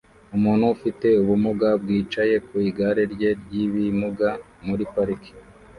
Umuntu ufite ubumuga bwicaye ku igare rye ry’ibimuga muri parike